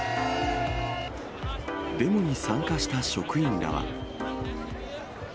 デモに参加した職員らは。